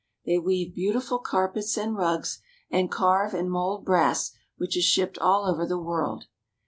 They weave beautiful carpets and rugs, and carve and mold brass which is shipped all over the world.